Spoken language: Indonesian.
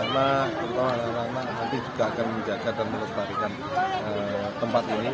nah terutama anak anak nanti juga akan menjaga dan melestarikan tempat ini